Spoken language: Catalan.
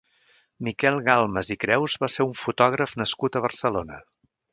Miquel Galmes i Creus va ser un fotògraf nascut a Barcelona.